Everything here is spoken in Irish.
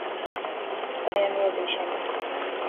Cad é an rud é sin